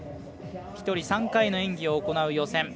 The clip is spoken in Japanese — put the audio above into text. １人３回の演技を行う予選。